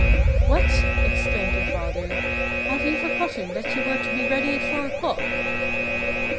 "What!" exclaimed her father. "Have you forgotten that you were to be ready at four o'clock!"